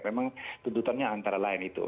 memang tuntutannya antara lain itu